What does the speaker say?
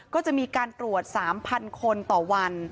ก็จะมีการตรวจ๓๐๐คนต่อวัน